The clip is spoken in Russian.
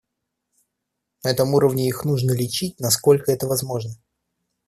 На этом уровне их нужно лечить, насколько это возможно.